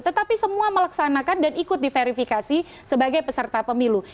tetapi semua melaksanakan dan ikut diverifikasi sebagai peserta pemilu